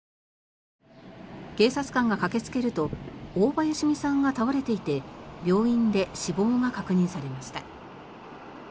警察官が駆けつけると大場好美さんが倒れていて病院で死亡が確認されました。